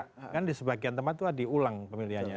kan di sebagian tempat itu ada ulang pemilihannya